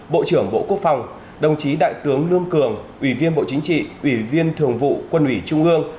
bộ trưởng bộ quốc phòng đồng chí đại tướng lương cường ủy viên bộ chính trị ủy viên thường vụ quân ủy trung ương